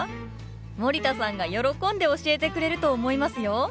森田さんが喜んで教えてくれると思いますよ。